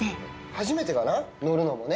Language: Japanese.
初めてかな、乗るのもね。